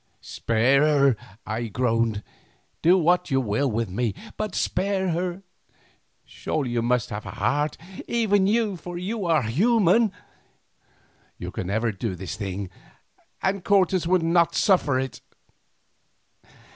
"Spare her," I groaned; "do what you will with me, but spare her! Surely you must have a heart, even you, for you are human. You can never do this thing, and Cortes would not suffer it."